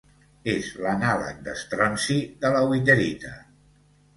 És l'anàleg d'estronci de la witherita.